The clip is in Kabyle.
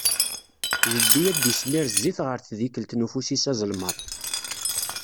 Jeddi ad d-ismir zzit ɣer tdikelt n ufus-is azelmaḍ.